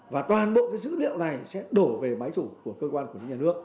và toàn bộ cái dữ liệu này sẽ đổ về máy chủ của cơ quan của những nhà nước